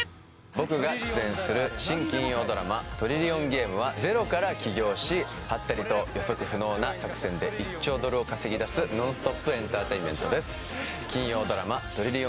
僕が出演する新金曜ドラマ「トリリオンゲーム」はゼロから起業しハッタリと予測不能な作戦で１兆ドルを稼ぎ出すノンストップエンターテインメントです